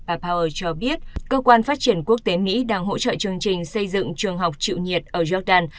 apower cho biết cơ quan phát triển quốc tế mỹ đang hỗ trợ chương trình xây dựng trường học chịu nhiệt ở jordan